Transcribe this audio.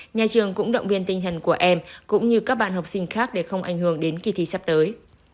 nhà trường cũng động viên tinh thần của em cũng như các bạn học sinh khác để không ảnh hưởng đến kỳ thi sắp tới